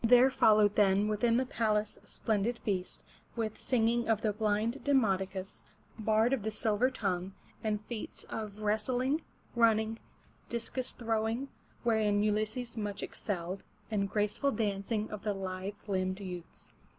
There followed then within the palace a splendid feast, with singing of the blind De mod'o cus, bard of the silver tongue, and feats of wrestling, running, discus throwing, wherein Ulysses much excelled, and graceful dancing of the lithe limbed youths.